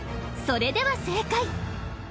［それでは正解］